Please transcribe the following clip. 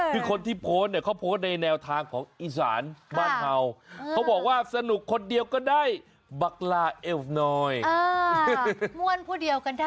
เป็นคนที่โพนเขาโพนในแนวทางของอิสรค์บ้านเขาเขาบอกว่าสนุกคนเดียวก็ได้บักล่าเอลฟนอยค์